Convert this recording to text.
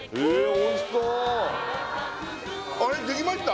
おいしそうあれっできました？